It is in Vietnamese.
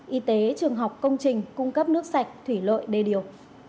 y tế trường học công trình cung cấp nước sạch thủy lợi đê điều